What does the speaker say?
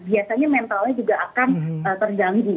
biasanya mentalnya juga akan terganggu